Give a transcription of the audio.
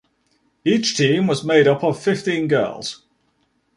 Each team was made up of fifteen girls.